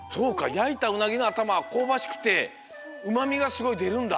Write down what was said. やいたうなぎのあたまはこうばしくてうまみがすごいでるんだ。